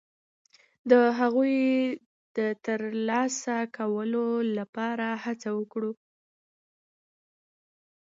د هغوی د ترلاسه کولو لپاره هڅه وکړو.